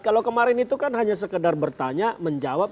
kalau kemarin itu kan hanya sekedar bertanya menjawab